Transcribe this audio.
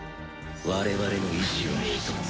我々の意志は一つ。